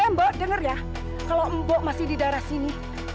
mbok dengar ya kalau mbok masih di daerah sini